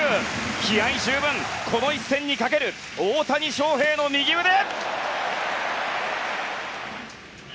気合十分この一戦にかける大谷翔平の右腕！